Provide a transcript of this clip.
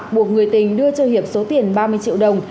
buộc người tình đưa cho hiệp số tiền ba mươi triệu đồng